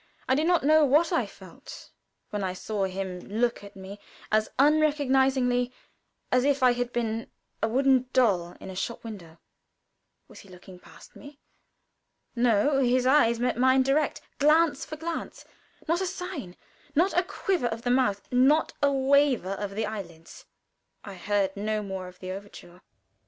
I do not know what I felt when I saw him look at me as unrecognizingly as if I had been a wooden doll in a shop window. Was he looking past me? No. His eyes met mine direct glance for glance; not a sign, not a quiver of the mouth, not a waver of the eyelids. I heard no more of the overture.